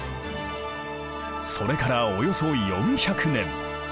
それからおよそ４００年。